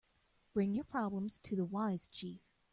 Bring your problems to the wise chief.